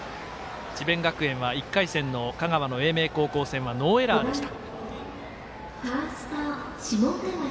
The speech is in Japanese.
智弁学園は１回戦の香川の英明高校戦はノーエラーでした。